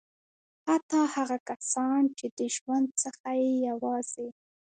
حتی هغه کسان چې د ژوند څخه یې یوازې.